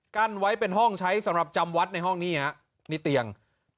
กั้นไว้เป็นห้องใช้สำหรับจำวัดในห้องนี่ฮะนี่เตียง